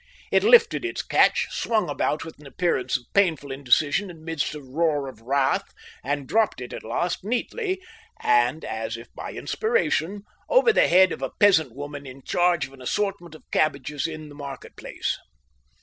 It lifted its catch, swung about with an appearance of painful indecision amidst a roar of wrath, and dropped it at last neatly, and as if by inspiration, over the head of a peasant woman in charge of an assortment of cabbages in the market place.